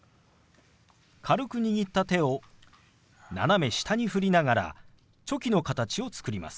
軽く握った手を斜め下に振りながらチョキの形を作ります。